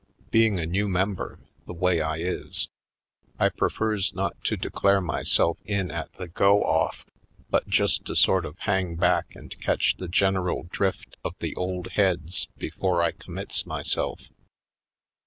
Being a new member, the way I is, I prefers not to declare myself in at the go ofif but just to sort of hang back and catch the general drift of the old heads before I commits myself.